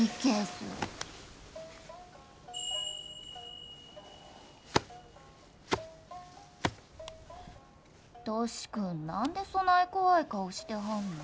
歳くん何でそない怖い顔してはんの？